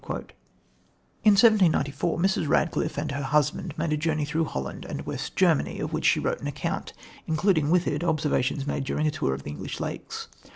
In 1794 Mrs. Radcliffe and her husband made a journey through Holland and West Germany, of which she wrote an account, including with it observations made during a tour of the English Lakes.